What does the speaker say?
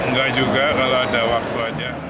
enggak juga kalau ada waktu aja